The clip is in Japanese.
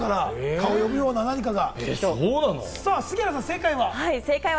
蚊を呼ぶような何かが。